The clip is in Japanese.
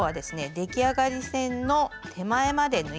出来上がり線の手前まで縫います。